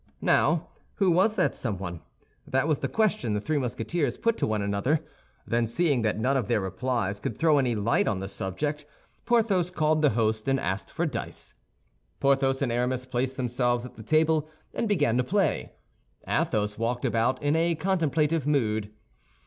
Now, who was that someone? That was the question the three Musketeers put to one another. Then, seeing that none of their replies could throw any light on the subject, Porthos called the host and asked for dice. Porthos and Aramis placed themselves at the table and began to play. Athos walked about in a contemplative mood.